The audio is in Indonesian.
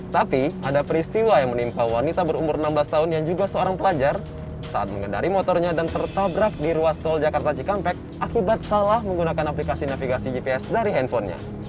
tapi ada peristiwa yang menimpa wanita berumur enam belas tahun yang juga seorang pelajar saat mengendari motornya dan tertabrak di ruas tol jakarta cikampek akibat salah menggunakan aplikasi navigasi gps dari handphonenya